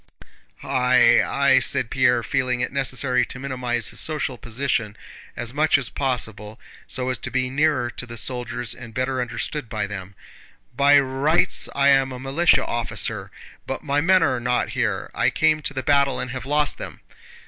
"I, I..." said Pierre, feeling it necessary to minimize his social position as much as possible so as to be nearer to the soldiers and better understood by them. "By rights I am a militia officer, but my men are not here. I came to the battle and have lost them."